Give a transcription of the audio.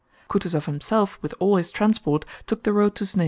Kutúzov himself with all his transport took the road to Znaim.